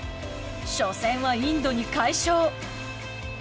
初戦はインドに快勝！